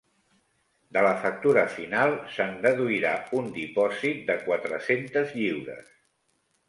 De la factura final se'n deduirà un dipòsit de quatre-centes lliures.